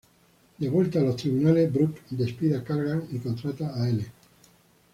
De vuelta a los tribunales, Brooke despide a Callahan y contrata a Elle.